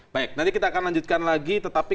baik nanti kita akan lanjutkan lagi tetapi